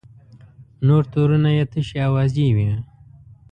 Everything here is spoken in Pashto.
نور تورونه یې تشې اوازې وې.